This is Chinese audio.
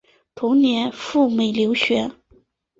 同年赴美留学。